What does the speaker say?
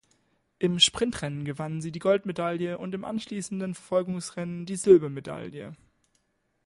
Im Sprintrennen gewann sie die Goldmedaille und im anschließenden Verfolgungsrennen die Silbermedaille.